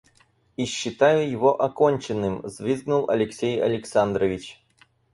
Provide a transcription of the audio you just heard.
И считаю его оконченным, — взвизгнул Алексей Александрович.